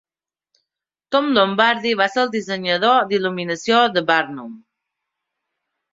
Tom Lombardi va ser el dissenyador d'il·luminació de "Barnum".